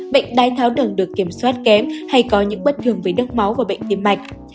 bệnh đai tháo đường được kiểm soát kém hay có những bất thường với đất máu và bệnh tim mạch